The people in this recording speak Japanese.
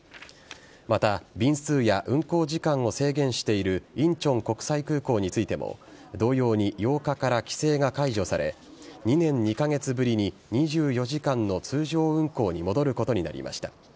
また便数や運航時間を制限している仁川国際空港についても同様に８日から規制が解除され２年２カ月ぶりに２４時間の通常運航に戻ることになりました。